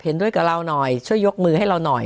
เห็นด้วยกับเราหน่อยช่วยยกมือให้เราหน่อย